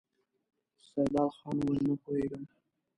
سيدال خان وويل: نه پوهېږم!